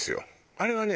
あれはね